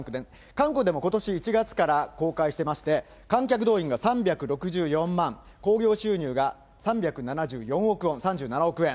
韓国でもことし１月から公開してまして、観客動員が３６４万、興行収入が３７４億ウォン、３７億円。